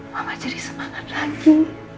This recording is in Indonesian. mama jadi semangat lagi